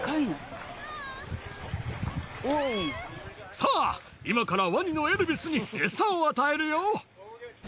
さあ今からワニのエルビスに餌を与えるよ。